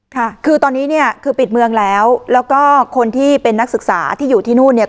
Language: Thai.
ค่ะคือตอนนี้เนี่ยคือปิดเมืองแล้วแล้วก็คนที่เป็นนักศึกษาที่อยู่ที่นู่นเนี่ย